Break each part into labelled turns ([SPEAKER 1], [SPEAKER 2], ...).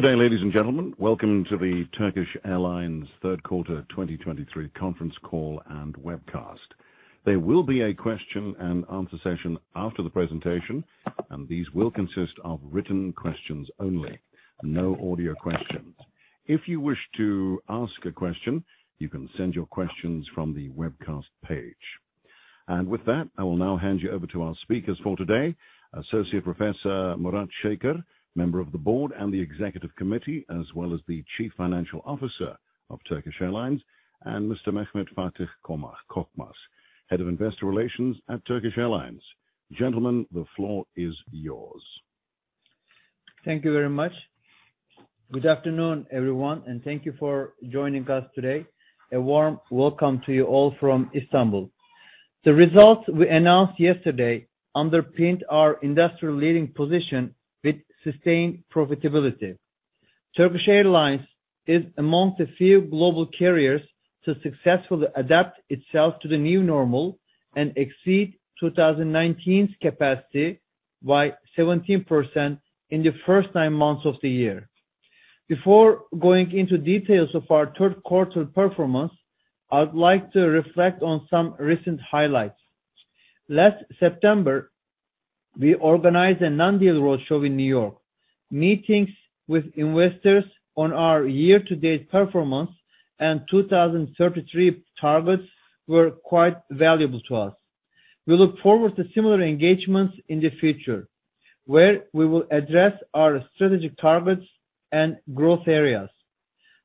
[SPEAKER 1] Good day, ladies and gentlemen. Welcome to the Turkish Airlines third quarter 2023 conference call and webcast. There will be a question-and-answer session after the presentation, and these will consist of written questions only, no audio questions. If you wish to ask a question, you can send your questions from the webcast page. With that, I will now hand you over to our speakers for today, Associate Professor Murat Şeker, member of the board and the executive committee, as well as the Chief Financial Officer of Turkish Airlines, and Mr. Mehmet Fatih Korkmaz, Head of Investor Relations at Turkish Airlines. Gentlemen, the floor is yours.
[SPEAKER 2] Thank you very much. Good afternoon, everyone, and thank you for joining us today. A warm welcome to you all from Istanbul. The results we announced yesterday underpinned our industrial leading position with sustained profitability. Turkish Airlines is among the few global carriers to successfully adapt itself to the new normal and exceed 2019's capacity by 17% in the first nine months of the year. Before going into details of our third quarter performance, I'd like to reflect on some recent highlights. Last September, we organized a non-deal roadshow in New York. Meetings with investors on our year-to-date performance and 2033 targets were quite valuable to us. We look forward to similar engagements in the future, where we will address our strategic targets and growth areas.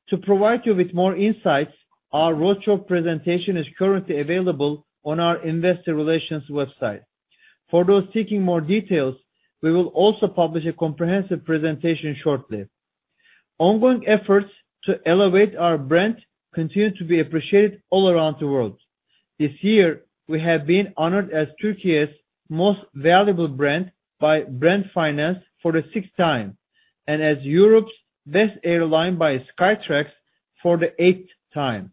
[SPEAKER 2] To provide you with more insights, our roadshow presentation is currently available on our investor relations website. For those seeking more details, we will also publish a comprehensive presentation shortly. Ongoing efforts to elevate our brand continue to be appreciated all around the world. This year, we have been honored as Turkey's most valuable brand by Brand Finance for the sixth time, and as Europe's best airline by Skytrax for the eighth time.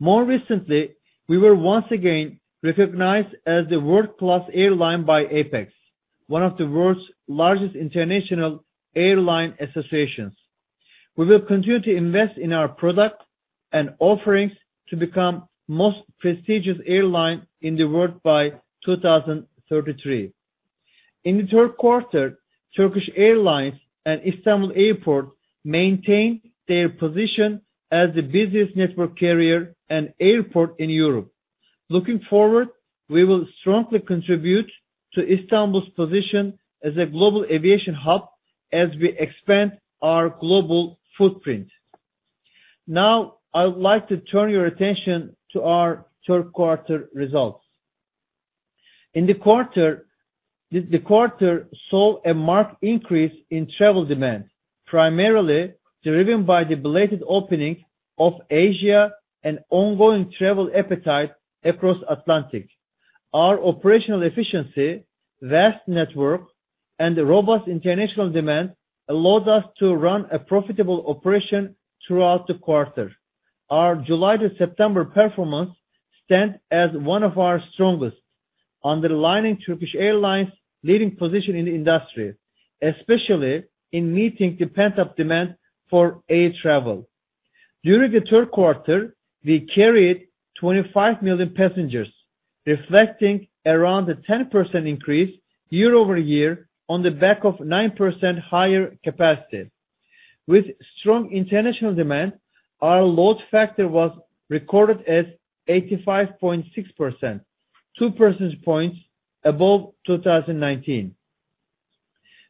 [SPEAKER 2] More recently, we were once again recognized as the World-Class Airline by APEX, one of the world's largest international airline associations. We will continue to invest in our product and offerings to become most prestigious airline in the world by 2033. In the third quarter, Turkish Airlines and Istanbul Airport maintained their position as the busiest network carrier and airport in Europe. Looking forward, we will strongly contribute to Istanbul's position as a global aviation hub as we expand our global footprint. Now, I would like to turn your attention to our third quarter results. In the quarter, the quarter saw a marked increase in travel demand, primarily driven by the belated opening of Asia and ongoing travel appetite across Atlantic. Our operational efficiency, vast network, and the robust international demand allows us to run a profitable operation throughout the quarter. Our July to September performance stands as one of our strongest, underlining Turkish Airlines' leading position in the industry, especially in meeting the pent-up demand for air travel. During the third quarter, we carried 25 million passengers, reflecting around a 10% increase year-over-year on the back of 9% higher capacity. With strong international demand, our load factor was recorded as 85.6%, two percentage points above 2019.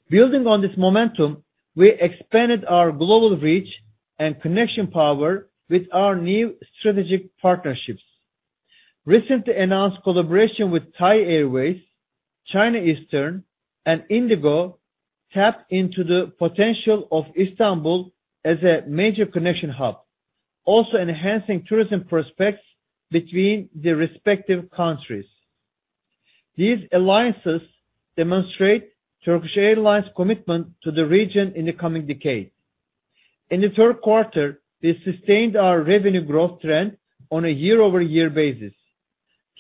[SPEAKER 2] Building on this momentum, we expanded our global reach and connection power with our new strategic partnerships. Recently announced collaboration with Thai Airways, China Eastern, and IndiGo tapped into the potential of Istanbul as a major connection hub, also enhancing tourism prospects between the respective countries. These alliances demonstrate Turkish Airlines' commitment to the region in the coming decade. In the third quarter, we sustained our revenue growth trend on a year-over-year basis.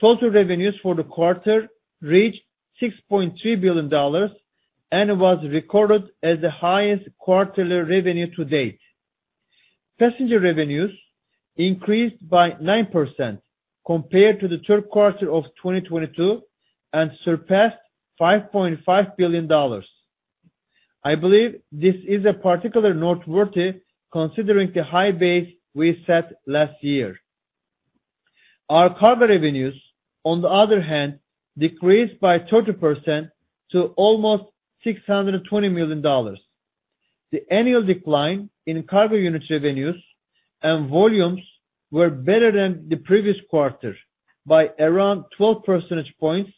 [SPEAKER 2] Total revenues for the quarter reached $6.3 billion, and it was recorded as the highest quarterly revenue to date. Passenger revenues increased by 9% compared to the third quarter of 2022 and surpassed $5.5 billion. I believe this is a particular noteworthy, considering the high base we set last year. Our cargo revenues, on the other hand, decreased by 30% to almost $620 million. The annual decline in cargo unit revenues and volumes were better than the previous quarter by around 12 percentage points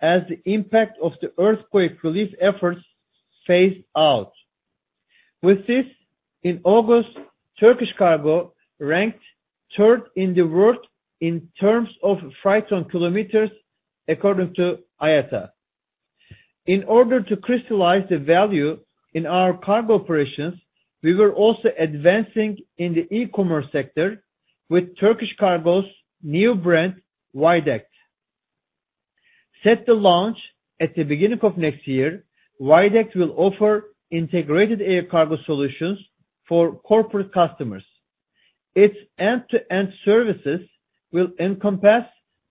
[SPEAKER 2] as the impact of the earthquake relief efforts phased out. With this, in August, Turkish Cargo ranked third in the world in terms of freight ton kilometers, according to IATA. In order to crystallize the value in our cargo operations, we were also advancing in the e-commerce sector with Turkish Cargo's new brand, Widect. Set to launch at the beginning of next year, Widect will offer integrated air cargo solutions for corporate customers. Its end-to-end services will encompass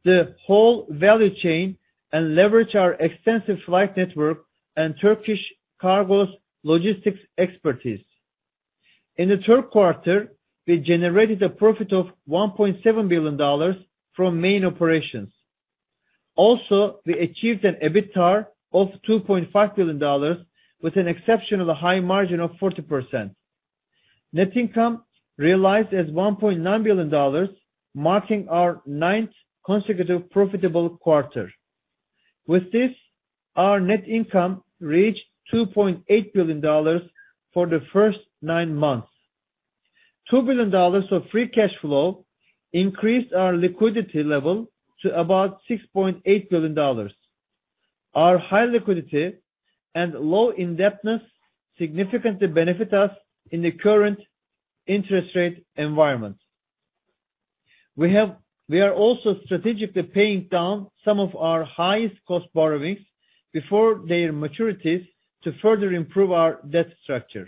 [SPEAKER 2] the whole value chain and leverage our extensive flight network and Turkish Cargo's logistics expertise. In the third quarter, we generated a profit of $1.7 billion from main operations. Also, we achieved an EBITDA of $2.5 billion, with an exceptional high margin of 40%. Net income realized as $1.9 billion, marking our ninth consecutive profitable quarter. With this, our net income reached $2.8 billion for the first nine months. $2 billion of free cash flow increased our liquidity level to about $6.8 billion. Our high liquidity and low indebtedness significantly benefit us in the current interest rate environment. We are also strategically paying down some of our highest cost borrowings before their maturities to further improve our debt structure.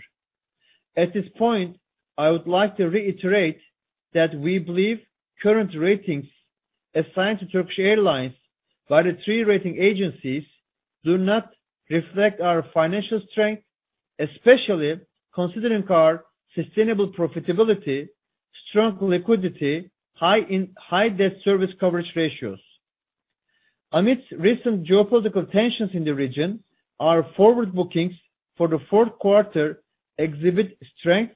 [SPEAKER 2] At this point, I would like to reiterate that we believe current ratings assigned to Turkish Airlines by the three rating agencies do not reflect our financial strength, especially considering our sustainable profitability, strong liquidity, high debt service coverage ratios. Amidst recent geopolitical tensions in the region, our forward bookings for the fourth quarter exhibit strength,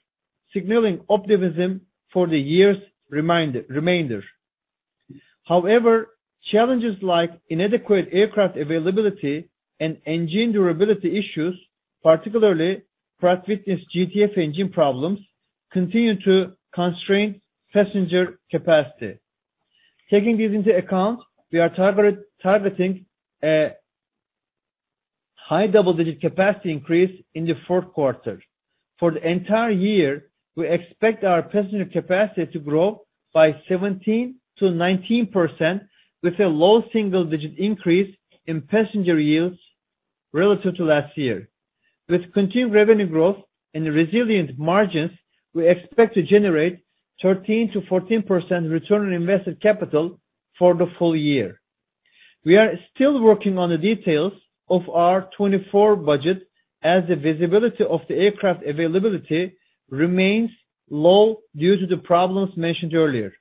[SPEAKER 2] signaling optimism for the year's remainder. However, challenges like inadequate aircraft availability and engine durability issues, particularly Pratt & Whitney's GTF engine problems, continue to constrain passenger capacity. Taking this into account, we are targeting a high double-digit capacity increase in the fourth quarter. For the entire year, we expect our passenger capacity to grow by 17%-19%, with a low single-digit increase in passenger yields relative to last year. With continued revenue growth and resilient margins, we expect to generate 13%-14% return on invested capital for the full year. We are still working on the details of our 2024 budget, as the visibility of the aircraft availability remains low due to the problems mentioned earlier.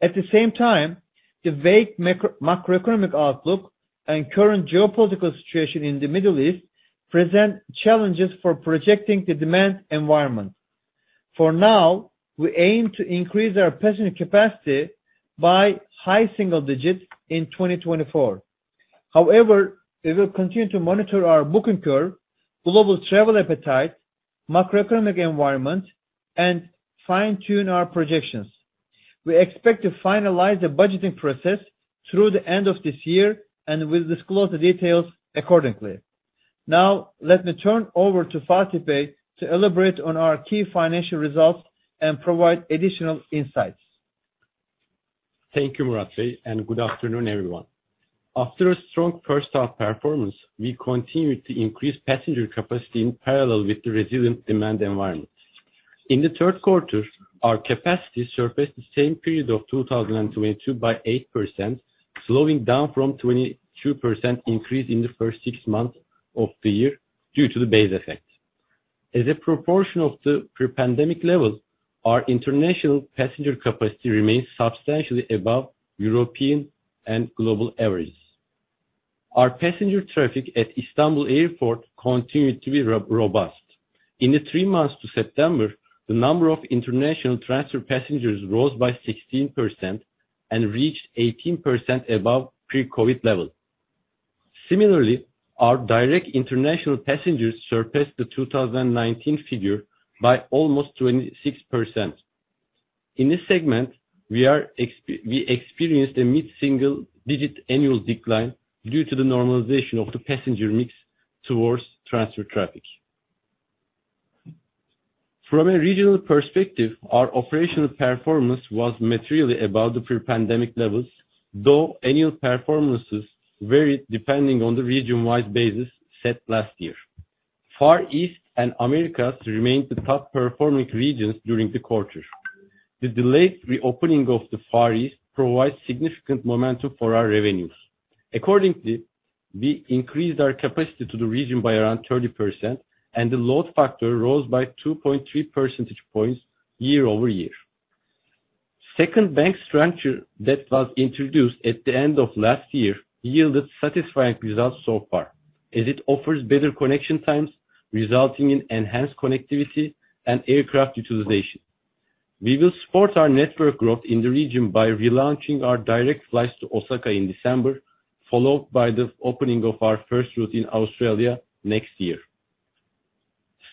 [SPEAKER 2] At the same time, the vague macro, macroeconomic outlook and current geopolitical situation in the Middle East present challenges for projecting the demand environment. For now, we aim to increase our passenger capacity by high single digits in 2024. However, we will continue to monitor our booking curve, global travel appetite, macroeconomic environment, and fine-tune our projections. We expect to finalize the budgeting process through the end of this year, and we'll disclose the details accordingly. Now, let me turn over to Fatih Bey to elaborate on our key financial results and provide additional insights.
[SPEAKER 3] Thank you, Murat Bey, and good afternoon, everyone. After a strong first half performance, we continued to increase passenger capacity in parallel with the resilient demand environment. In the third quarter, our capacity surpassed the same period of 2022 by 8%, slowing down from 22% increase in the first six months of the year due to the base effect. As a proportion of the pre-pandemic levels, our international passenger capacity remains substantially above European and global averages. Our passenger traffic at Istanbul Airport continued to be robust. In the three months to September, the number of international transfer passengers rose by 16% and reached 18% above pre-COVID levels. Similarly, our direct international passengers surpassed the 2019 figure by almost 26%. In this segment, we experienced a mid-single digit annual decline due to the normalization of the passenger mix towards transfer traffic. From a regional perspective, our operational performance was materially above the pre-pandemic levels, though annual performances varied depending on the region-wide basis set last year. Far East and Americas remained the top performing regions during the quarter. The delayed reopening of the Far East provides significant momentum for our revenues. Accordingly, we increased our capacity to the region by around 30%, and the load factor rose by 2.3 percentage points year-over-year. Second bank structure that was introduced at the end of last year yielded satisfying results so far, as it offers better connection times, resulting in enhanced connectivity and aircraft utilization. We will support our network growth in the region by relaunching our direct flights to Osaka in December, followed by the opening of our first route in Australia next year.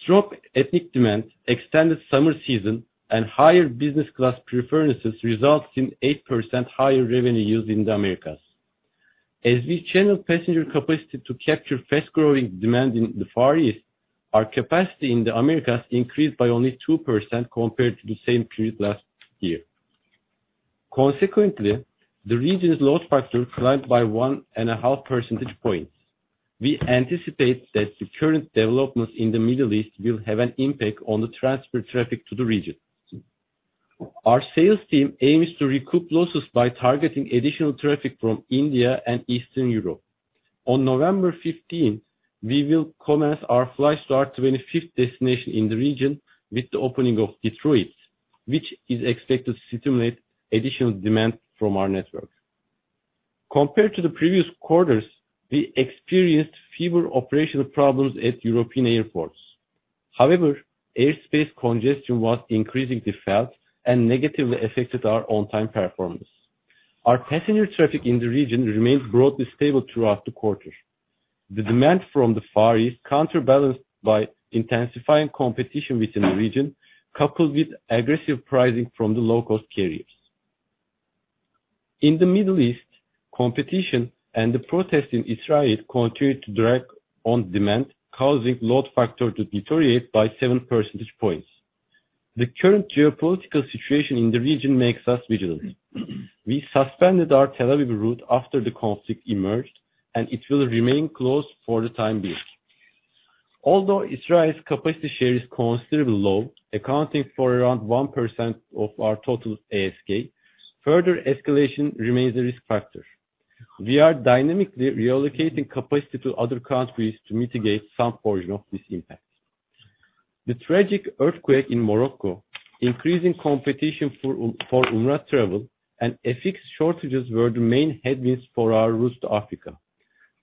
[SPEAKER 3] Strong ethnic demand, extended summer season, and higher business class preferences results in 8% higher revenue yields in the Americas. As we channel passenger capacity to capture fast-growing demand in the Far East... Our capacity in the Americas increased by only 2% compared to the same period last year. Consequently, the region's load factor climbed by one and a half percentage points. We anticipate that the current developments in the Middle East will have an impact on the transfer traffic to the region. Our sales team aims to recoup losses by targeting additional traffic from India and Eastern Europe. On November 15th, we will commence our flight to our 25th destination in the region with the opening of Detroit, which is expected to stimulate additional demand from our network. Compared to the previous quarters, we experienced fewer operational problems at European airports. However, airspace congestion was increasingly felt and negatively affected our on-time performance. Our passenger traffic in the region remains broadly stable throughout the quarter. The demand from the Far East, counterbalanced by intensifying competition within the region, coupled with aggressive pricing from the low-cost carriers. In the Middle East, competition and the protest in Israel continued to drag on demand, causing load factor to deteriorate by 7 percentage points. The current geopolitical situation in the region makes us vigilant. We suspended our Tel Aviv route after the conflict emerged, and it will remain closed for the time being. Although Israel's capacity share is considerably low, accounting for around 1% of our total ASK, further escalation remains a risk factor. We are dynamically reallocating capacity to other countries to mitigate some portion of this impact. The tragic earthquake in Morocco, increasing competition for Umrah travel, and FX shortages were the main headwinds for our routes to Africa.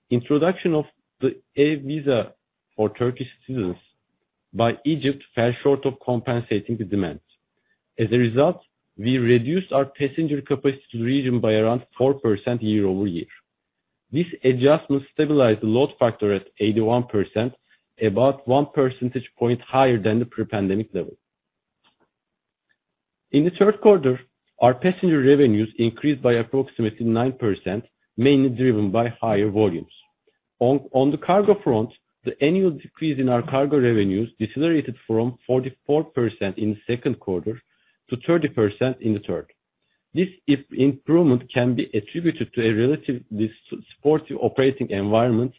[SPEAKER 3] Introduction of the e-visa for Turkish citizens by Egypt fell short of compensating the demand. As a result, we reduced our passenger capacity to the region by around 4% year-over-year. This adjustment stabilized the load factor at 81%, about 1 percentage point higher than the pre-pandemic level. In the third quarter, our passenger revenues increased by approximately 9%, mainly driven by higher volumes. On the cargo front, the annual decrease in our cargo revenues decelerated from 44% in the second quarter to 30% in the third. This improvement can be attributed to a relatively supportive operating environment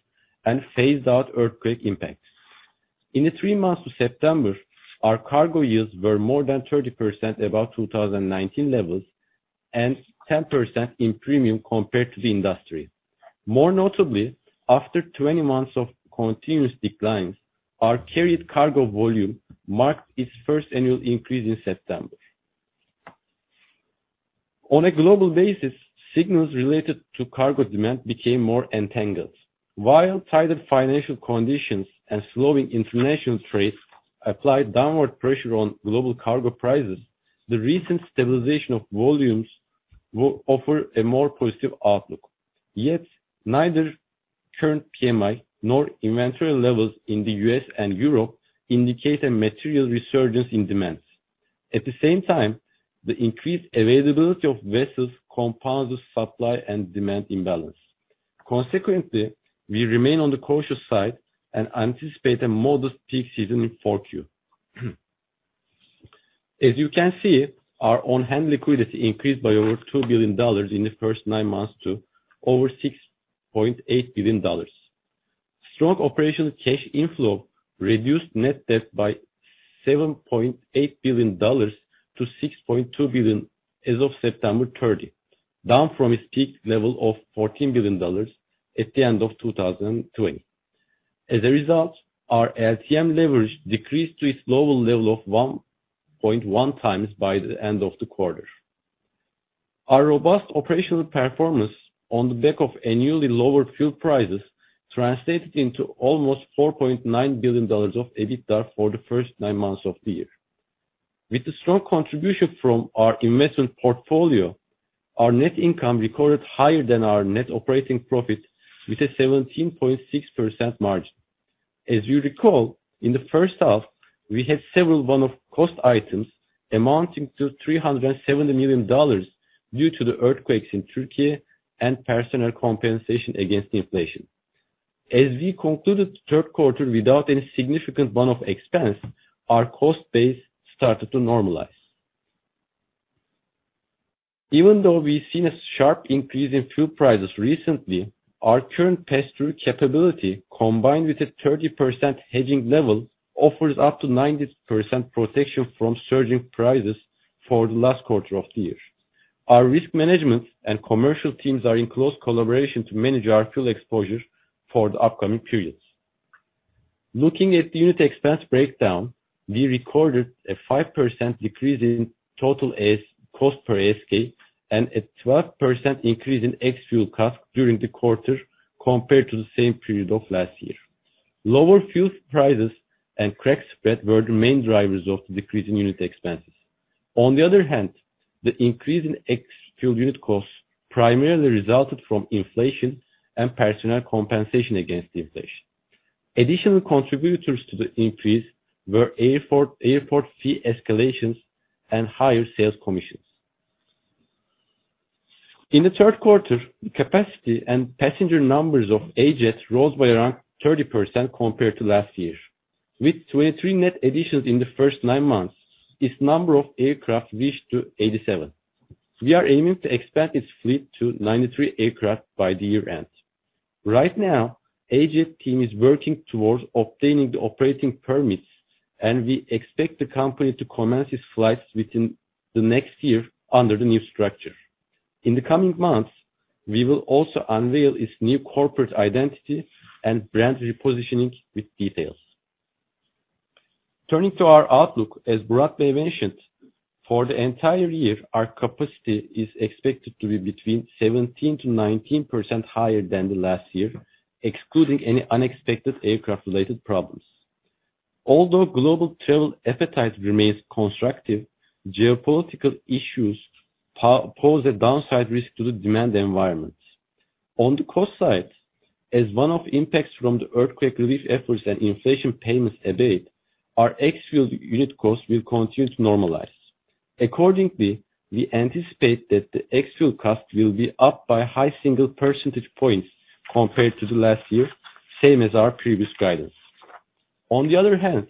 [SPEAKER 3] and phased out earthquake impacts. In the three months to September, our cargo yields were more than 30% above 2019 levels, and 10% premium compared to the industry. More notably, after 20 months of continuous declines, our carried cargo volume marked its first annual increase in September. On a global basis, signals related to cargo demand became more entangled. While tighter financial conditions and slowing international trade applied downward pressure on global cargo prices, the recent stabilization of volumes will offer a more positive outlook. Yet, neither current PMI nor inventory levels in the U.S. and Europe indicate a material resurgence in demands. At the same time, the increased availability of vessels compounds the supply and demand imbalance. Consequently, we remain on the cautious side and anticipate a modest peak season in Q4. As you can see, our on-hand liquidity increased by over $2 billion in the first nine months to over $6.8 billion. Strong operational cash inflow reduced net debt by $7.8 billion to $6.2 billion as of September 30, down from its peak level of $14 billion at the end of 2020. As a result, our LTM leverage decreased to its lower level of 1.1x by the end of the quarter. Our robust operational performance on the back of annually lower fuel prices translated into almost $4.9 billion of EBITDA for the first nine months of the year. With the strong contribution from our investment portfolio, our net income recorded higher than our net operating profit, with a 17.6% margin. As you recall, in the first half, we had several one-off cost items amounting to $370 million due to the earthquakes in Turkey and personal compensation against inflation. As we concluded the third quarter without any significant one-off expense, our cost base started to normalize. Even though we've seen a sharp increase in fuel prices recently, our current pass-through capability, combined with a 30% hedging level, offers up to 90% protection from surging prices for the last quarter of the year. Our risk management and commercial teams are in close collaboration to manage our fuel exposure for the upcoming periods. Looking at the unit expense breakdown, we recorded a 5% decrease in total cost per ASK, and a 12% increase in ex-fuel cost during the quarter compared to the same period of last year. Lower fuel prices and crack spread were the main drivers of the decrease in unit expenses. On the other hand, the increase in ex-fuel unit costs primarily resulted from inflation and personal compensation against inflation. Additional contributors to the increase were airport, airport fee escalations and higher sales commissions. In the third quarter, capacity and passenger numbers of AJet rose by around 30% compared to last year. With 23 net additions in the first nine months, its number of aircraft reached to 87. We are aiming to expand its fleet to 93 aircraft by the year end. Right now, AJet team is working towards obtaining the operating permits, and we expect the company to commence its flights within the next year under the new structure. In the coming months, we will also unveil its new corporate identity and brand repositioning with details. Turning to our outlook, as Murat mentioned, for the entire year, our capacity is expected to be between 17%-19% higher than the last year, excluding any unexpected aircraft-related problems. Although global travel appetite remains constructive, geopolitical issues pose a downside risk to the demand environment. On the cost side, as one of impacts from the earthquake relief efforts and inflation payments abate, our ex-fuel unit cost will continue to normalize. Accordingly, we anticipate that the ex-fuel cost will be up by high single percentage points compared to the last year, same as our previous guidance. On the other hand,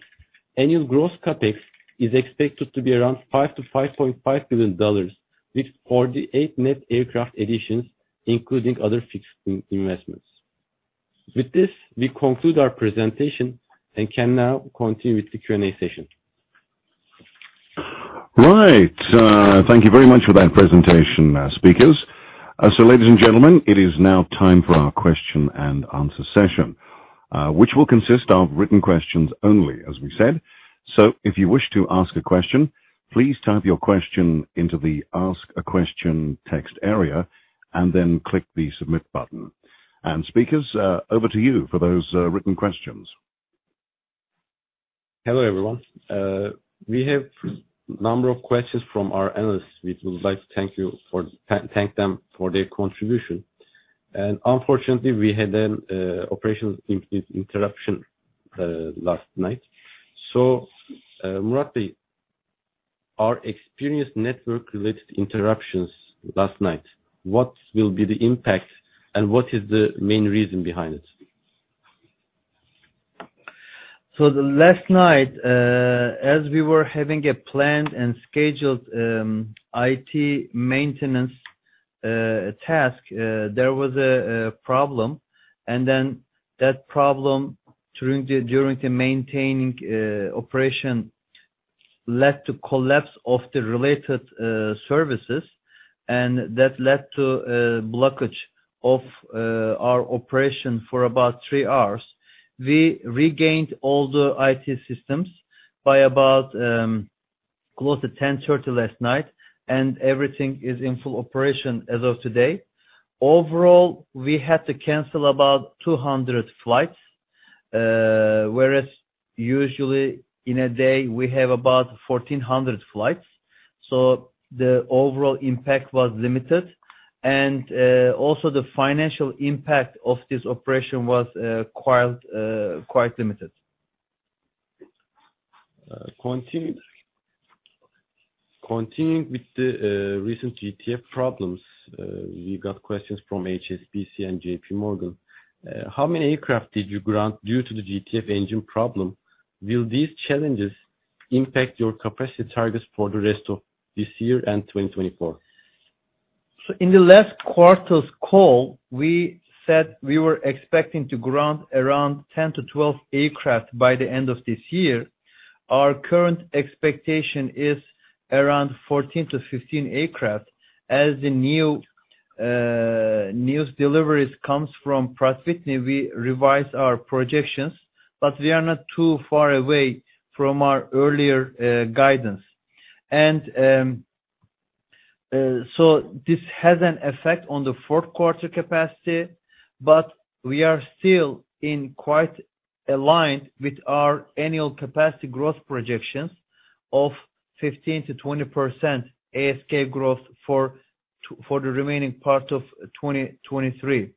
[SPEAKER 3] annual gross CapEx is expected to be around $5 billion-$5.5 billion, with 48 net aircraft additions, including other fixed investments. With this, we conclude our presentation and can now continue with the Q&A session.
[SPEAKER 1] Right. Thank you very much for that presentation, speakers. So ladies and gentlemen, it is now time for our question-and-answer session, which will consist of written questions only, as we said. So if you wish to ask a question, please type your question into the Ask a Question text area, and then click the Submit button. And speakers, over to you for those written questions.
[SPEAKER 3] Hello, everyone. We have number of questions from our analysts. We would like to thank you for thank them for their contribution. Unfortunately, we had an operations interruption last night. So, Murat, our experienced network-related interruptions last night, what will be the impact and what is the main reason behind it?
[SPEAKER 2] So last night, as we were having a planned and scheduled IT maintenance task, there was a problem, and then that problem during the maintaining operation led to collapse of the related services, and that led to a blockage of our operation for about 3 hours. We regained all the IT systems by about close to 10:30 P.M. last night, and everything is in full operation as of today. Overall, we had to cancel about 200 flights, whereas usually in a day, we have about 1,400 flights, so the overall impact was limited. And also the financial impact of this operation was quite limited.
[SPEAKER 3] Continuing with the recent GTF problems, we got questions from HSBC and JPMorgan. How many aircraft did you ground due to the GTF engine problem? Will these challenges impact your capacity targets for the rest of this year and 2024?
[SPEAKER 2] So in the last quarter's call, we said we were expecting to ground around 10-12 aircraft by the end of this year. Our current expectation is around 14-15 aircraft. As the new engine deliveries come from Pratt & Whitney, we revise our projections, but we are not too far away from our earlier guidance. So this has an effect on the fourth quarter capacity, but we are still quite aligned with our annual capacity growth projections of 15%-20% ASK growth for the remaining part of 2023.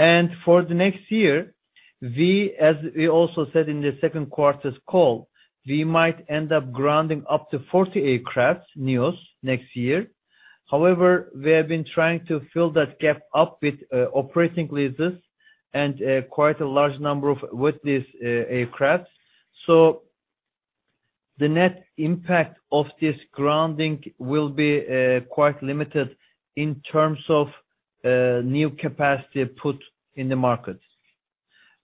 [SPEAKER 2] And for the next year, we, as we also said in the second quarter's call, we might end up grounding up to 40 aircraft next year. However, we have been trying to fill that gap up with, operating leases and, quite a large number of with these, aircrafts. So the net impact of this grounding will be, quite limited in terms of, new capacity put in the market.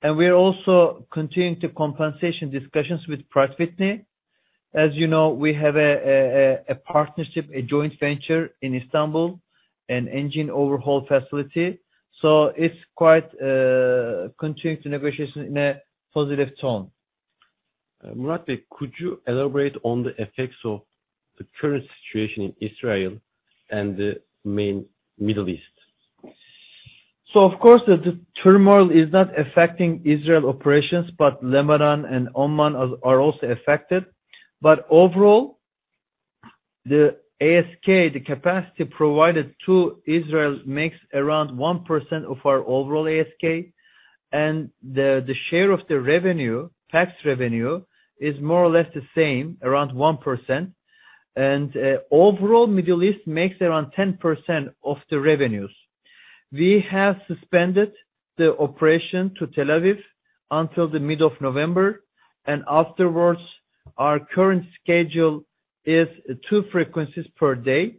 [SPEAKER 2] And we are also continuing to compensation discussions with Pratt & Whitney. As you know, we have a partnership, a joint venture in Istanbul, an engine overhaul facility. So it's quite, continuing to negotiation in a positive tone.
[SPEAKER 3] Murat, could you elaborate on the effects of the current situation in Israel and the main Middle East?
[SPEAKER 2] So of course, the turmoil is not affecting Israel operations, but Lebanon and Oman are also affected. But overall, the ASK, the capacity provided to Israel, makes around 1% of our overall ASK, and the share of the total revenue is more or less the same, around 1%. And overall, Middle East makes around 10% of the revenues. We have suspended the operation to Tel Aviv until the mid of November, and afterwards, our current schedule is 2 frequencies per day.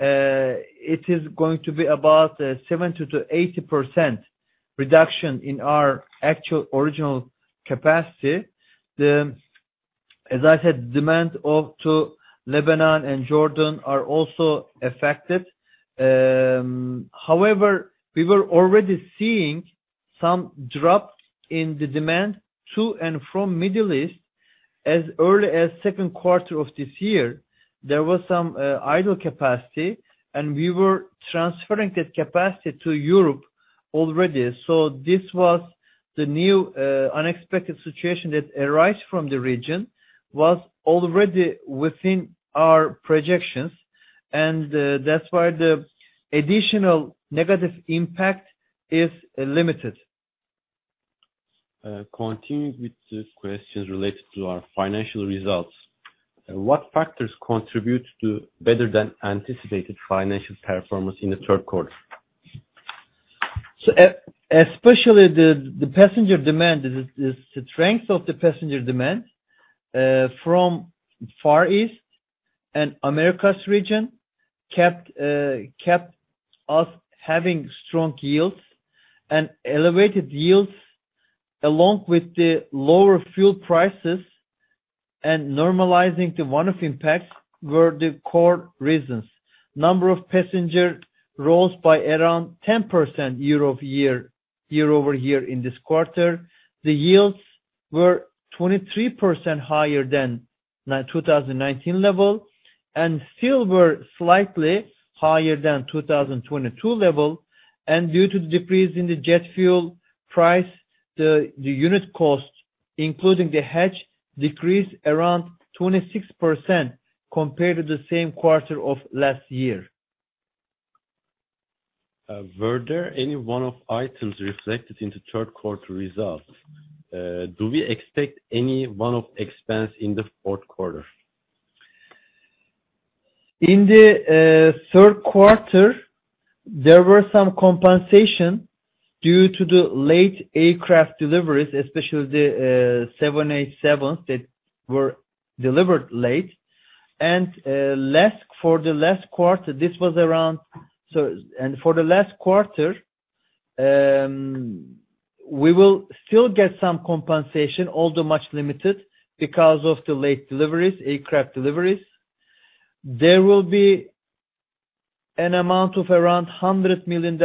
[SPEAKER 2] It is going to be about 70%-80% reduction in our actual original capacity. As I said, demand to Lebanon and Jordan are also affected. However, we were already seeing some drops in the demand to and from Middle East as early as second quarter of this year. There was some idle capacity, and we were transferring that capacity to Europe already. So this was the new unexpected situation that arise from the region, was already within our projections, and that's why the additional negative impact is limited.
[SPEAKER 3] Continuing with the questions related to our financial results. What factors contribute to better than anticipated financial performance in the third quarter?
[SPEAKER 2] So especially the strength of the passenger demand from Far East and Americas region kept us having strong yields. Elevated yields, along with the lower fuel prices and normalizing the one-off impacts, were the core reasons. Number of passengers rose by around 10% year-over-year in this quarter. The yields were 23% higher than 2019 level, and still were slightly higher than 2022 level. Due to the decrease in the jet fuel price, the unit cost, including the hedge, decreased around 26% compared to the same quarter of last year.
[SPEAKER 3] Were there any one-off items reflected in the third quarter results? Do we expect any one-off expense in the fourth quarter?
[SPEAKER 2] In the third quarter, there were some compensation due to the late aircraft deliveries, especially the 787s that were delivered late. And for the last quarter, we will still get some compensation, although much limited, because of the late deliveries, aircraft deliveries. There will be an amount of around $100 million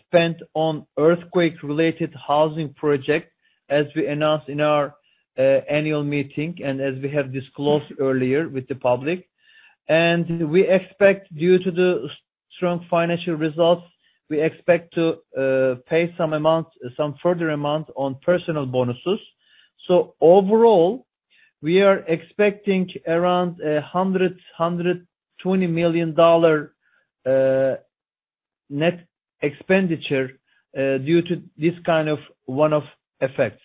[SPEAKER 2] spent on earthquake-related housing project, as we announced in our annual meeting, and as we have disclosed earlier with the public. And we expect, due to the strong financial results, we expect to pay some amount- some further amount on personal bonuses. So overall, we are expecting around $100 million-$120 million net expenditure due to this kind of one-off effects.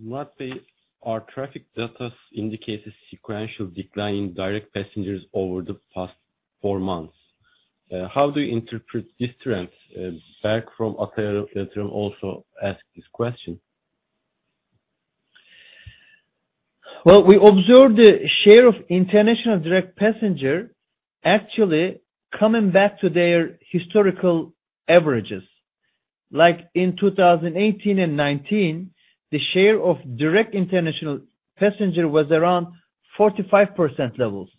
[SPEAKER 3] Mati, our traffic data indicates a sequential decline in direct passengers over the past four months. How do you interpret this trend, Batuhan from Ata Invest also asked this question?
[SPEAKER 2] Well, we observed the share of international direct passenger actually coming back to their historical averages. Like in 2018 and 2019, the share of direct international passenger was around 45% levels.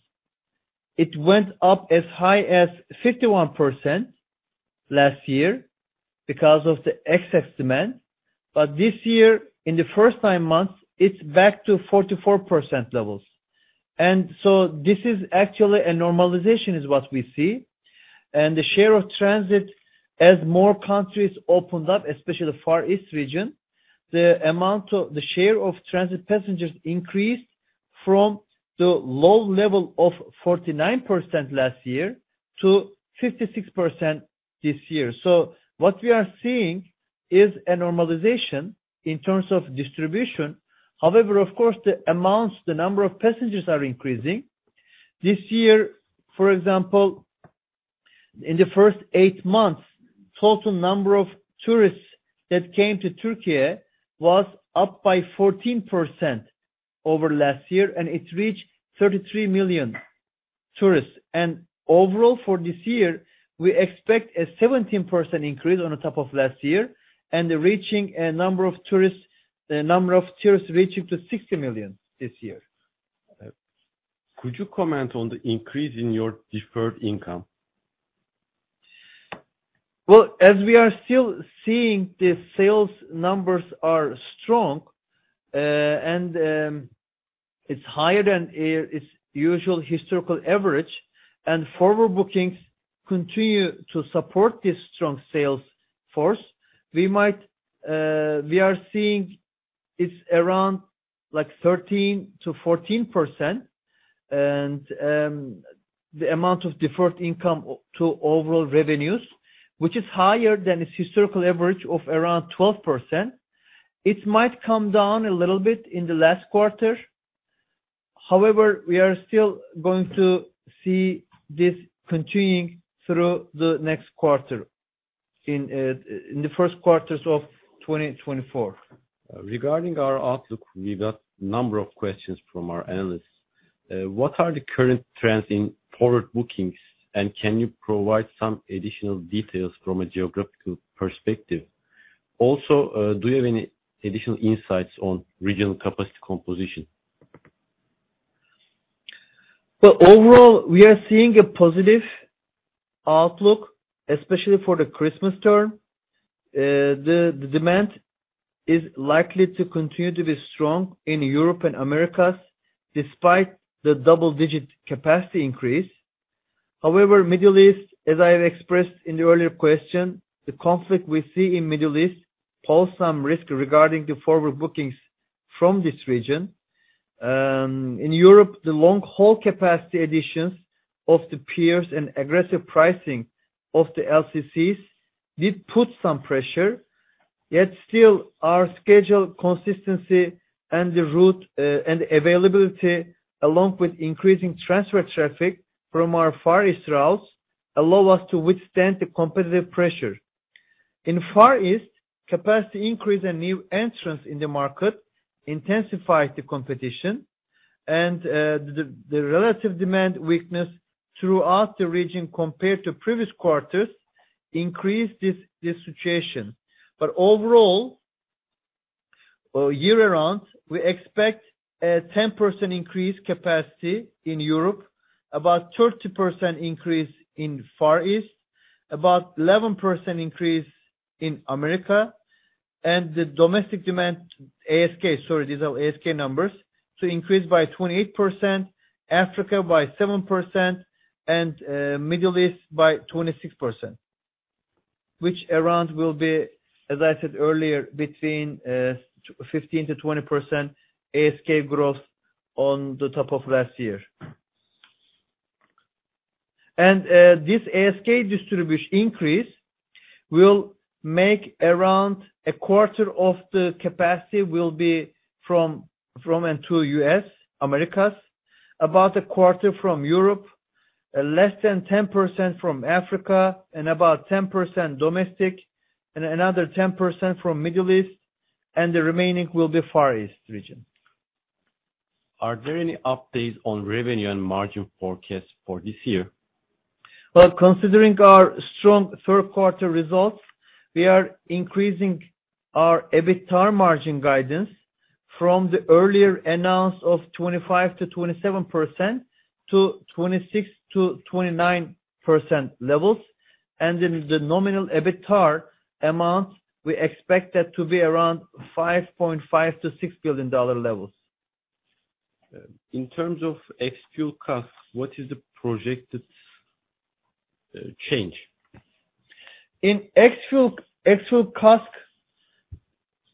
[SPEAKER 2] It went up as high as 51% last year because of the excess demand. But this year, in the first nine months, it's back to 44% levels. And so this is actually a normalization, is what we see. And the share of transit, as more countries opened up, especially the Far East region, the share of transit passengers increased from the low level of 49% last year to 56% this year. So what we are seeing is a normalization in terms of distribution. However, of course, the amounts, the number of passengers are increasing. This year, for example, in the first eight months, total number of tourists that came to Turkey was up by 14% over last year, and it reached 33 million tourists. Overall, for this year, we expect a 17% increase on top of last year, and reaching a number of tourists, the number of tourists reaching to 60 million this year.
[SPEAKER 3] Could you comment on the increase in your deferred income?
[SPEAKER 2] Well, as we are still seeing, the sales numbers are strong, and it's higher than its usual historical average, and forward bookings continue to support this strong sales force. We might—we are seeing it's around like 13%-14%, and the amount of deferred income to overall revenues, which is higher than its historical average of around 12%. It might come down a little bit in the last quarter. However, we are still going to see this continuing through the next quarter in the first quarters of 2024.
[SPEAKER 3] Regarding our outlook, we got a number of questions from our analysts. What are the current trends in forward bookings, and can you provide some additional details from a geographical perspective? Also, do you have any additional insights on regional capacity composition?
[SPEAKER 2] Well, overall, we are seeing a positive outlook, especially for the Christmas term. The demand is likely to continue to be strong in Europe and Americas, despite the double-digit capacity increase. However, Middle East, as I have expressed in the earlier question, the conflict we see in Middle East pose some risk regarding the forward bookings from this region. In Europe, the long-haul capacity additions of the peers and aggressive pricing of the LCCs did put some pressure, yet still our schedule consistency and the route and availability, along with increasing transfer traffic from our Far East routes, allow us to withstand the competitive pressure. In Far East, capacity increase and new entrants in the market intensified the competition, and the relative demand weakness throughout the region compared to previous quarters increased this situation. But overall, year-round, we expect a 10% increase capacity in Europe, about 30% increase in Far East, about 11% increase in America, and the domestic demand, ASK, sorry, these are ASK numbers, to increase by 28%, Africa by 7%, and Middle East by 26%. Which around will be, as I said earlier, between 15%-20% ASK growth on the top of last year. And this ASK distribution increase will make around a quarter of the capacity will be from and to U.S., Americas, about a quarter from Europe, less than 10% from Africa, and about 10% domestic, and another 10% from Middle East, and the remaining will be Far East region.
[SPEAKER 3] Are there any updates on revenue and margin forecast for this year?
[SPEAKER 2] Well, considering our strong third quarter results, we are increasing our EBITDA margin guidance from the earlier announcement of 25%-27% to 26%-29% levels. In the nominal EBITDA amount, we expect that to be around $5.5 billion-$6 billion levels.
[SPEAKER 3] In terms of ex-fuel CASK, what is the projected change?
[SPEAKER 2] In ex-fuel, ex-fuel CASK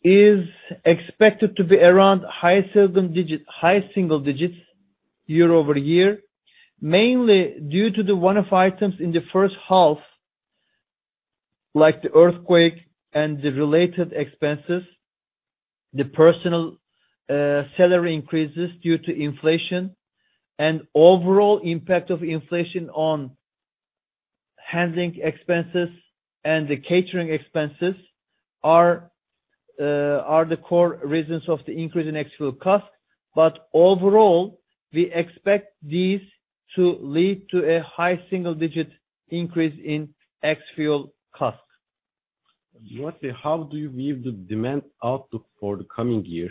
[SPEAKER 2] is expected to be around high single digits year-over-year, mainly due to the one-off items in the first half, like the earthquake and the related expenses, the personnel salary increases due to inflation, and overall impact of inflation on handling expenses and the catering expenses are the core reasons of the increase in ex-fuel CASK. But overall, we expect these to lead to a high single-digit increase in ex-fuel CASK.
[SPEAKER 3] What, how do you view the demand outlook for the coming year?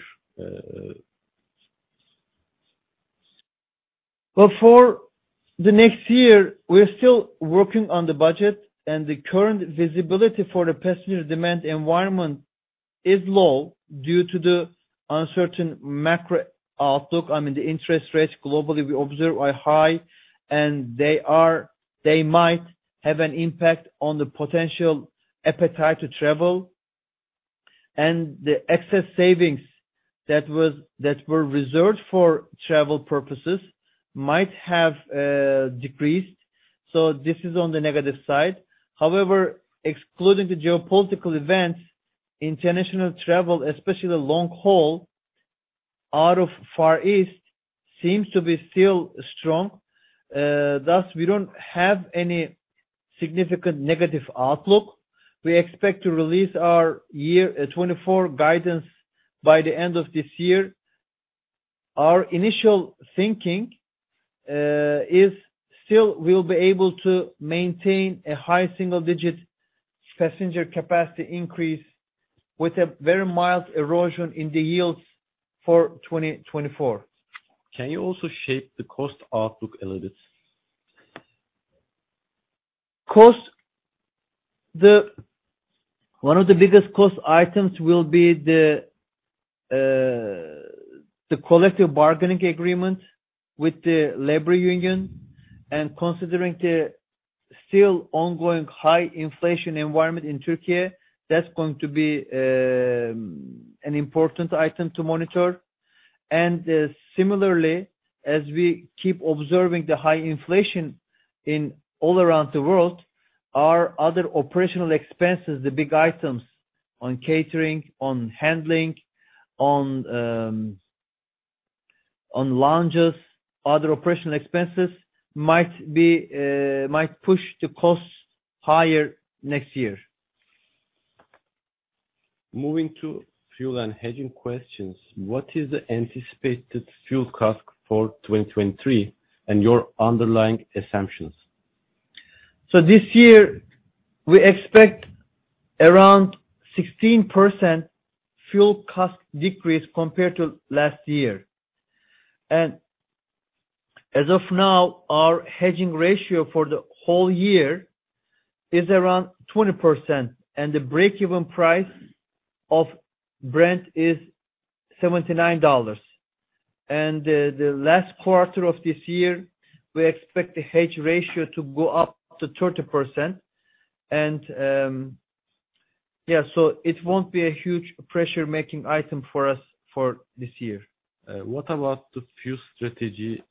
[SPEAKER 2] Well, for the next year, we're still working on the budget, and the current visibility for the passenger demand environment is low due to the uncertain macro outlook. I mean, the interest rates globally, we observe, are high, and they might have an impact on the potential appetite to travel. And the excess savings that was, that were reserved for travel purposes might have decreased, so this is on the negative side. However, excluding the geopolitical events, international travel, especially long-haul, out of Far East, seems to be still strong. Thus, we don't have any significant negative outlook. We expect to release our year 2024 guidance by the end of this year. Our initial thinking is still we'll be able to maintain a high single-digit passenger capacity increase with a very mild erosion in the yields for 2024.
[SPEAKER 3] Can you also shape the cost outlook a little bit?
[SPEAKER 2] Cost, one of the biggest cost items will be the collective bargaining agreement with the labor union, and considering the still ongoing high inflation environment in Turkey, that's going to be an important item to monitor. Similarly, as we keep observing the high inflation in all around the world, our other operational expenses, the big items on catering, on handling, on lounges, other operational expenses might push the costs higher next year.
[SPEAKER 3] Moving to fuel and hedging questions, what is the anticipated fuel cost for 2023, and your underlying assumptions?
[SPEAKER 2] So this year, we expect around 16% fuel cost decrease compared to last year. And as of now, our hedging ratio for the whole year is around 20%, and the break-even price of Brent is $79. And, the last quarter of this year, we expect the hedge ratio to go up to 30%. And, yeah, so it won't be a huge pressure-making item for us for this year.
[SPEAKER 3] What about the fuel strategy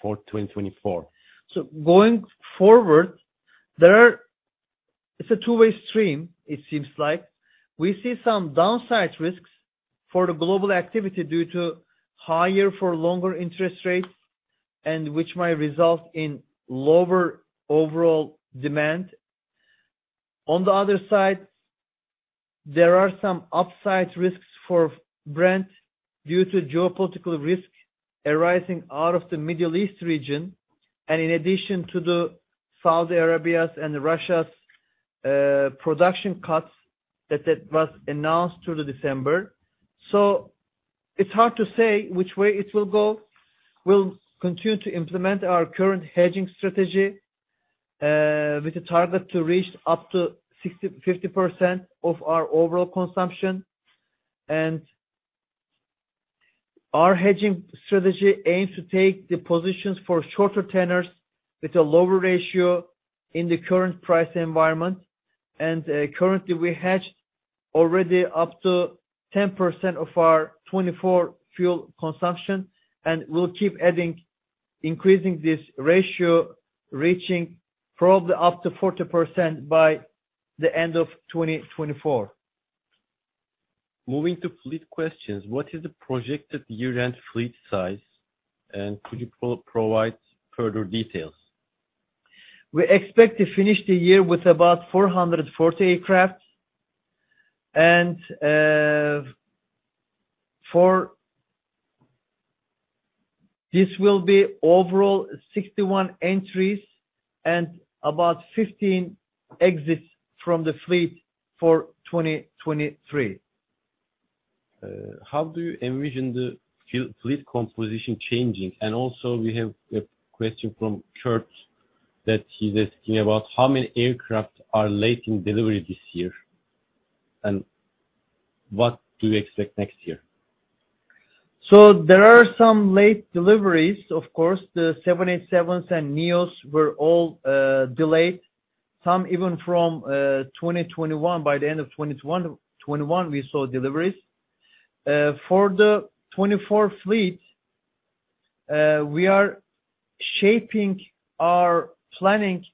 [SPEAKER 3] for 2024?
[SPEAKER 2] So going forward, there are—it's a two-way stream, it seems like. We see some downside risks for the global activity due to higher for longer interest rates, and which might result in lower overall demand. On the other side, there are some upside risks for Brent due to geopolitical risk arising out of the Middle East region, and in addition to the Saudi Arabia's and Russia's production cuts that was announced through the December. So it's hard to say which way it will go. We'll continue to implement our current hedging strategy with a target to reach up to 50% of our overall consumption. And our hedging strategy aims to take the positions for shorter tenors with a lower ratio in the current price environment. Currently, we hedged already up to 10% of our 2024 fuel consumption, and we'll keep adding, increasing this ratio, reaching probably up to 40% by the end of 2024.
[SPEAKER 3] Moving to fleet questions, what is the projected year-end fleet size? Could you provide further details?
[SPEAKER 2] We expect to finish the year with about 440 aircraft. This will be overall 61 entries and about 15 exits from the fleet for 2023.
[SPEAKER 3] How do you envision the future fleet composition changing? And also, we have a question from Kurt, that he's asking about: How many aircraft are late in delivery this year, and what do you expect next year?
[SPEAKER 2] So there are some late deliveries. Of course, the 787s and NEOs were all delayed, some even from 2021. By the end of 2021, we saw deliveries. For the 2024 fleet, we are shaping our planning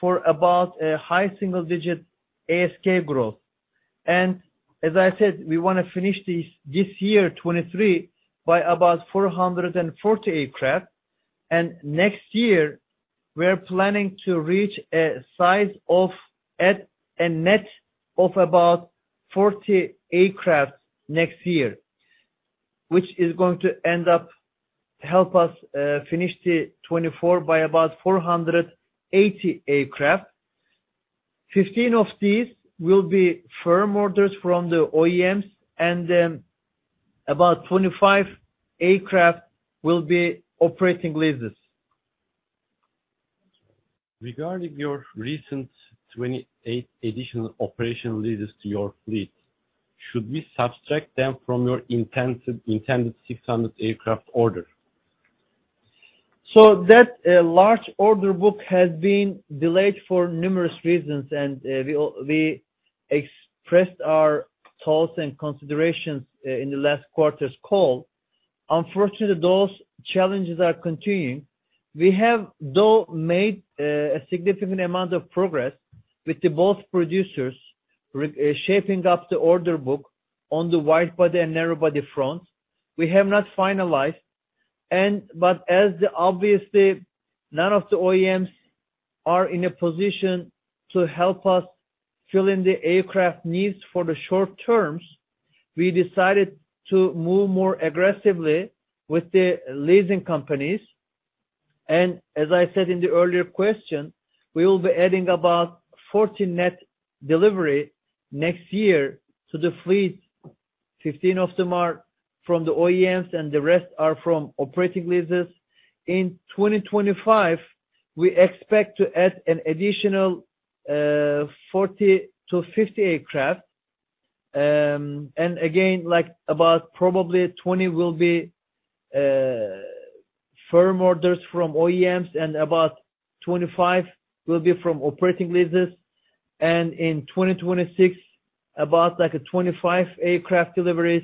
[SPEAKER 2] for about a high single-digit ASK growth. And as I said, we wanna finish this year, 2023, by about 440 aircraft. And next year, we are planning to reach a size of a net of about 40 aircraft next year, which is going to end up to help us finish the 2024 by about 480 aircraft. 15 of these will be firm orders from the OEMs, and about 25 aircraft will be operating leases.
[SPEAKER 3] Regarding your recent 28 additional operational leases to your fleet, should we subtract them from your intended 600 aircraft order?
[SPEAKER 2] So that large order book has been delayed for numerous reasons, and we expressed our thoughts and considerations in the last quarter's call. Unfortunately, those challenges are continuing. We have, though, made a significant amount of progress with both producers, reshaping up the order book on the wide-body and narrow-body front. We have not finalized, but as obviously, none of the OEMs are in a position to help us fill in the aircraft needs for the short terms, we decided to move more aggressively with the leasing companies. And as I said in the earlier question, we will be adding about 40 net delivery next year to the fleet. Fifteen of them are from the OEMs, and the rest are from operating leases. In 2025, we expect to add an additional 40-50 aircraft. And again, like, about probably 20 will be firm orders from OEMs, and about 25 will be from operating leases. In 2026, about like 25 aircraft deliveries.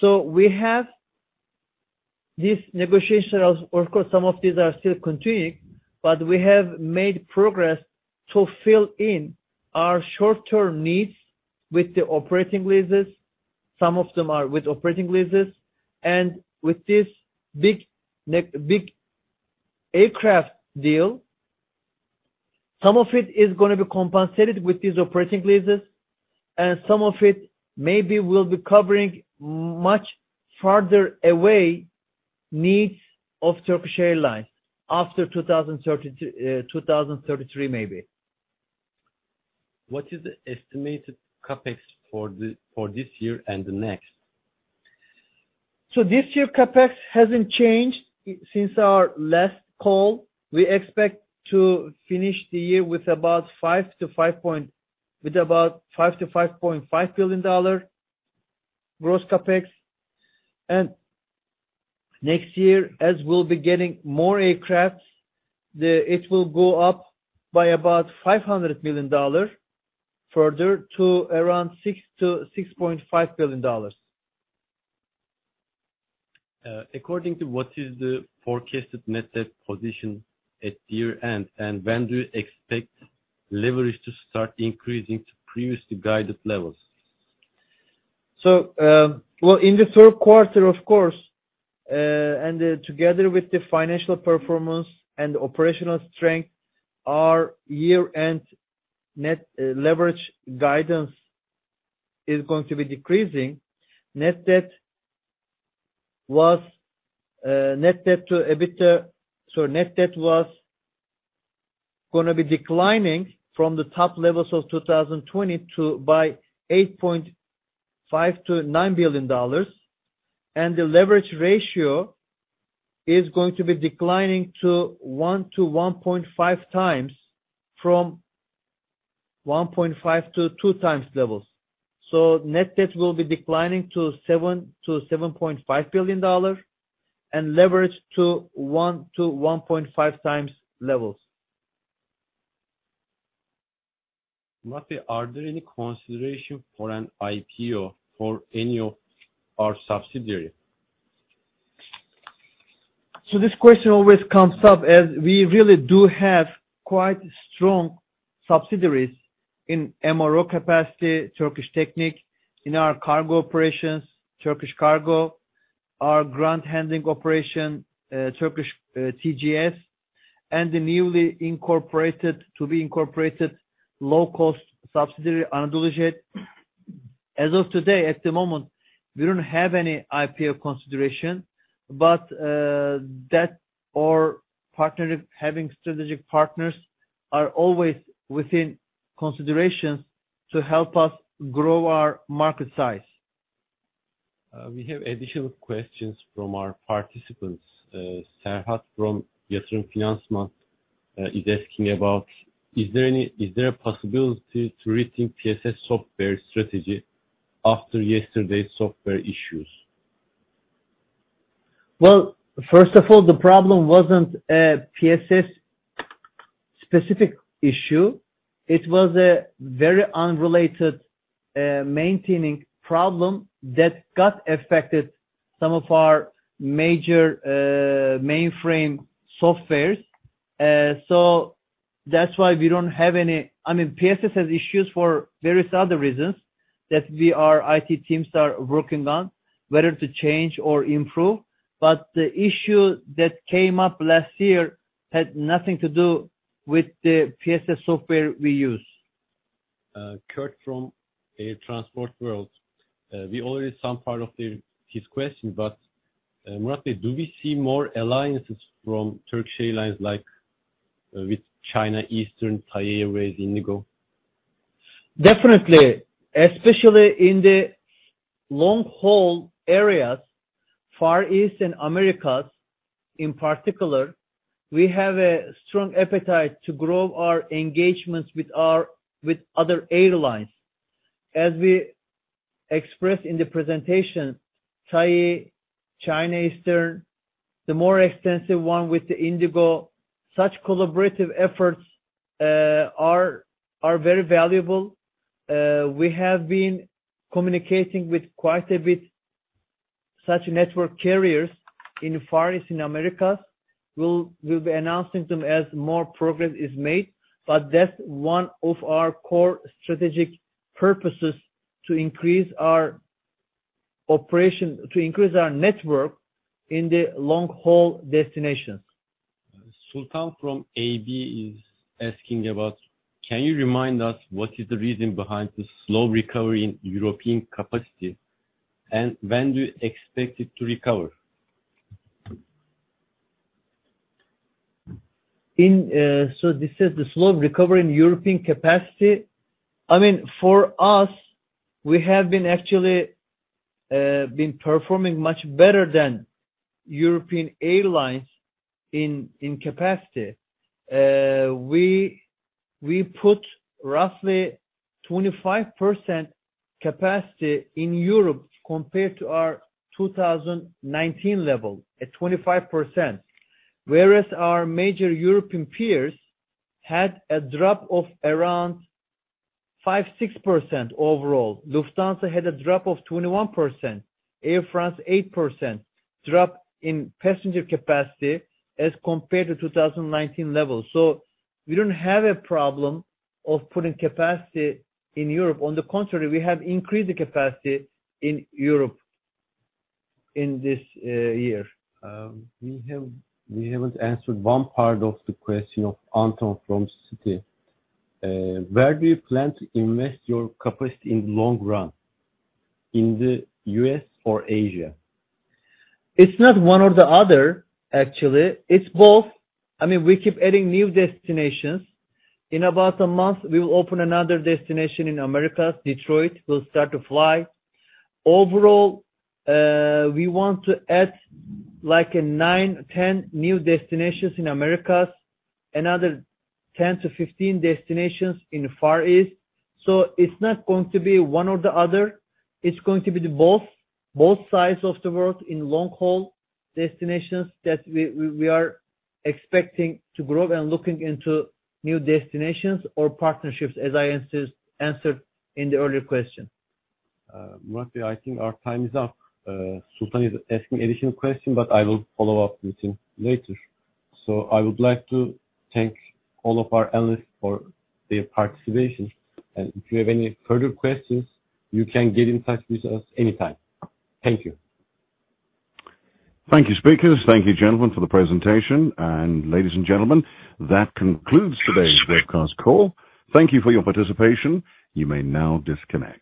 [SPEAKER 2] So we have these negotiations, of course, some of these are still continuing, but we have made progress to fill in our short-term needs with the operating leases. Some of them are with operating leases, and with this big aircraft deal, some of it is gonna be compensated with these operating leases, and some of it maybe will be covering much farther away needs of Turkish Airlines after 2032, 2033, maybe.
[SPEAKER 3] What is the estimated CapEx for this year and the next?
[SPEAKER 2] So this year, CapEx hasn't changed since our last call. We expect to finish the year with about $5 billion-$5.5 billion gross CapEx. And next year, as we'll be getting more aircrafts, it will go up by about $500 million further to around $6 billion-$6.5 billion.
[SPEAKER 3] According to what is the forecasted net debt position at year-end, and when do you expect leverage to start increasing to previously guided levels?
[SPEAKER 2] So, well, in the third quarter, of course, and together with the financial performance and operational strength, our year-end net leverage guidance is going to be decreasing. Net debt to EBITDA, so net debt was gonna be declining from the top levels of 2020 to $8.5 billion-$9 billion, and the leverage ratio is going to be declining to 1x-1.5x from 1.5x-2x levels. So net debt will be declining to $7 billion-$7.5 billion and leverage to 1x-1.5x levels.
[SPEAKER 3] Murat, are there any considerations for an IPO for any of our subsidiaries?
[SPEAKER 2] So this question always comes up, as we really do have quite strong subsidiaries in MRO capacity, Turkish Technic, in our cargo operations, Turkish Cargo, our ground handling operation, Turkish TGS, and the newly incorporated, to be incorporated, low-cost subsidiary, AnadoluJet. As of today, at the moment, we don't have any IPO consideration, but that or partnership, having strategic partners are always within considerations to help us grow our market size.
[SPEAKER 3] We have additional questions from our participants. Serhat from Yatırım Finansman is asking about: Is there a possibility to rethink PSS software strategy after yesterday's software issues?
[SPEAKER 2] Well, first of all, the problem wasn't a PSS specific issue. It was a very unrelated, maintaining problem that got affected some of our major, mainframe softwares. So that's why we don't have any... I mean, PSS has issues for various other reasons, that we, our IT teams are working on, whether to change or improve. But the issue that came up last year had nothing to do with the PSS software we use.
[SPEAKER 3] Kurt from Air Transport World, we already some part of his question, but Murat, do we see more alliances from Turkish Airlines, like with China Eastern, Thai Airways, IndiGo?
[SPEAKER 2] Definitely, especially in the long-haul areas, Far East and Americas in particular, we have a strong appetite to grow our engagements with our with other airlines. As we expressed in the presentation, Thai, China Eastern, the more extensive one with the IndiGo, such collaborative efforts are very valuable. We have been communicating with quite a bit such network carriers in Far East and Americas. We'll be announcing them as more progress is made, but that's one of our core strategic purposes to increase our operation, to increase our network in the long-haul destinations.
[SPEAKER 3] Sultan from AB is asking about: Can you remind us what is the reason behind the slow recovery in European capacity, and when do you expect it to recover?
[SPEAKER 2] So this is the slow recovery in European capacity. I mean, for us, we have been actually performing much better than European airlines in capacity. We put roughly 25% capacity in Europe compared to our 2019 level, at 25%, whereas our major European peers had a drop of around 5%-6% overall. Lufthansa had a drop of 21%, Air France 8% drop in passenger capacity as compared to 2019 levels. So we don't have a problem of putting capacity in Europe. On the contrary, we have increased the capacity in Europe in this year.
[SPEAKER 3] We have, we haven't answered one part of the question of Anton from Citi. Where do you plan to invest your capacity in the long run, in the U.S. or Asia?
[SPEAKER 2] It's not one or the other, actually, it's both. I mean, we keep adding new destinations. In about a month, we will open another destination in Americas, Detroit, we'll start to fly. Overall, we want to add like 9, 10 new destinations in Americas, another 10-15 destinations in the Far East. So it's not going to be one or the other, it's going to be the both, both sides of the world in long-haul destinations that we are expecting to grow and looking into new destinations or partnerships, as I answered in the earlier question.
[SPEAKER 3] Murat, I think our time is up. Sultan is asking additional question, but I will follow up with him later. I would like to thank all of our analysts for their participation, and if you have any further questions, you can get in touch with us anytime. Thank you.
[SPEAKER 1] Thank you, speakers. Thank you, gentlemen, for the presentation. Ladies and gentlemen, that concludes today's webcast call. Thank you for your participation. You may now disconnect.